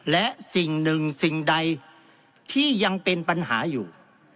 และสิ่งหนึ่งสิ่งใดที่ยังเป็นปัญหาอยู่